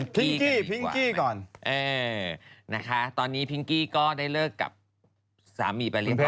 ก่อนเอ่อนะคะตอนนี้ก็ได้เลิกกับสามีไปเรียบร้อยแล้ว